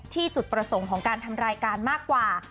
จุดประสงค์ของการทำรายการมากกว่า